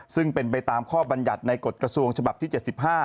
ซึ่งเป็นไปตามข้อบรรยัติในกฎกระทรวงฉบับที่๗๕